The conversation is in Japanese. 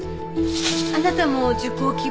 あなたも受講希望？